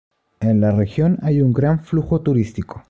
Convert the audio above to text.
En la región hay un gran flujo turístico.